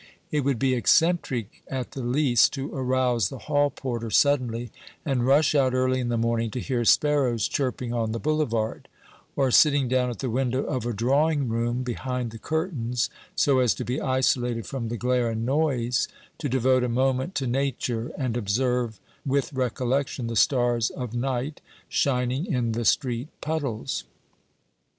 It would be eccentric at the least to arouse the hall porter suddenly, and rush out early in the morning to hear sparrows chirping on the boulevard ; or sitting down at the window of a drawing room, behind the curtains, so as to be isolated from OBERMANN 377 the glare and noise, to devote a moment to Nature, and observe with recollection the stars of night shining in the street puddles.